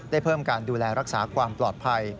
เพิ่มการดูแลรักษาความปลอดภัย